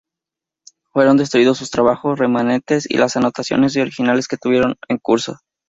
Fueron destruidos sus trabajos remanentes, y las anotaciones y originales que tuviese en curso.